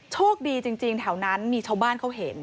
โชคดีจริงแถวนั้นมีชาวบ้านเขาเห็น